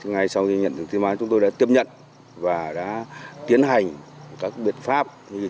ngay sau khi nhận được tin báo chúng tôi đã tiếp nhận và đã tiến hành các biện pháp